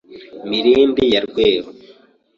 Mirindi ya Rweru